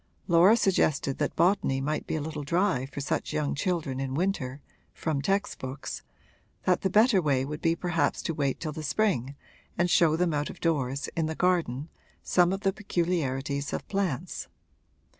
Laura suggested that botany might be a little dry for such young children in winter, from text books that the better way would be perhaps to wait till the spring and show them out of doors, in the garden, some of the peculiarities of plants.